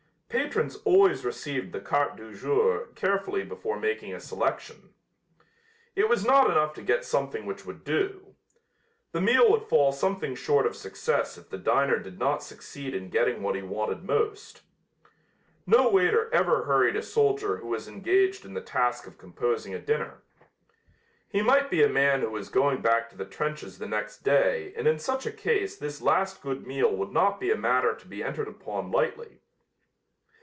Patrons always reviewed the carte du jour carefully before making a selection. It was not enough to get something which would do. The meal would fall something short of success if the diner did not succeed in getting what he wanted most. No waiter ever hurried a soldier who was engaged in the task of composing a dinner. He might be a man who was going back to the trenches the next day and in such a case this last good meal would not be a matter to be entered upon lightly.